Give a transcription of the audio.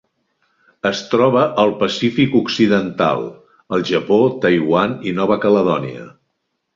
Es troba al Pacífic occidental: el Japó, Taiwan i Nova Caledònia.